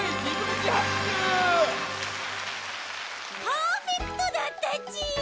パーフェクトだったち！